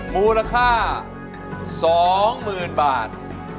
มูลค่า๒หมื่นบาท